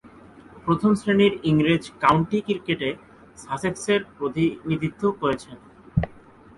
প্রথম-শ্রেণীর ইংরেজ কাউন্টি ক্রিকেটে সাসেক্সের প্রতিনিধিত্ব করেছেন।